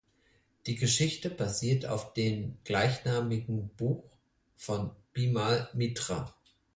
Die Geschichte basiert auf den gleichnamigen Buch von Bimal Mitra.